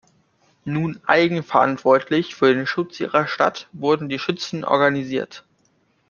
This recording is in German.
Nun eigenverantwortlich für den Schutz ihrer Stadt, wurden die Schützen organisiert.